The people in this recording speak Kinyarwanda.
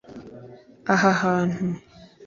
Aha hantu